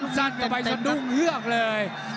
สั้นไปสะดุ้งเหือกเลย